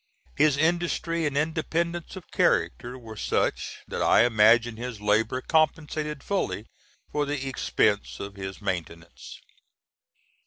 His industry and independence of character were such, that I imagine his labor compensated fully for the expense of his maintenance.